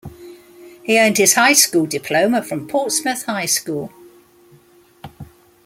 He earned his high school diploma from Portsmouth High School.